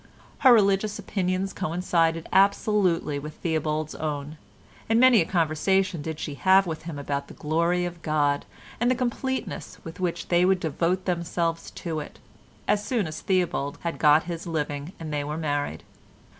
Her religious opinions coincided absolutely with Theobald's own, and many a conversation did she have with him about the glory of God, and the completeness with which they would devote themselves to it, as soon as Theobald had got his living and they were married.